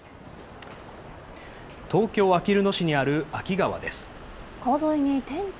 東京・あきる野市にある秋川です。